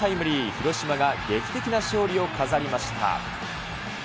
広島が劇的な勝利を飾りました。